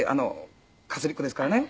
カトリックですからね